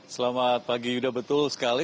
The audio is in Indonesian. selamat pagi yuda betul sekali